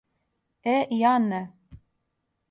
Е, ја не.